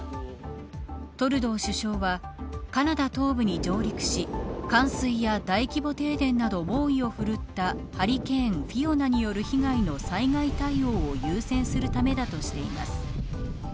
トルドー首相はカナダ東部に上陸し冠水や大規模停電など猛威を振るったハリケーンフィオナによる被害の災害対応を優先するためだとしています。